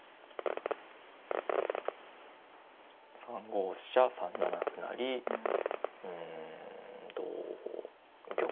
３五飛車３七歩成うん同玉。